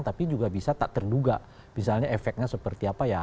tapi juga bisa tak terduga misalnya efeknya seperti apa ya